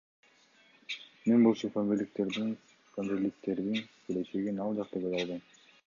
Мен болсо, памирликтердин келечегин ал жакта көрө албайм.